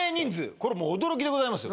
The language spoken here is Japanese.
これもう驚きでございますよ